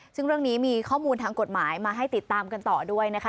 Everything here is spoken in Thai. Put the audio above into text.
ซึ่งเรื่องนี้มีข้อมูลทางกฎหมายมาให้ติดตามกันต่อด้วยนะคะ